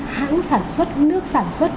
hãng sản xuất nước sản xuất